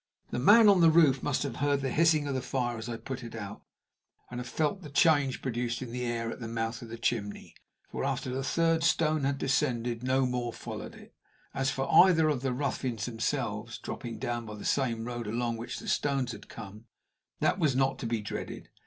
The man on the roof must have heard the hissing of the fire as I put it out, and have felt the change produced in the air at the mouth of the chimney, for after the third stone had descended no more followed it. As for either of the ruffians themselves dropping down by the same road along which the stones had come, that was not to be dreaded.